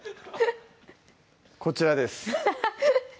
こちらです